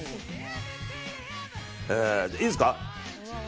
いいですか？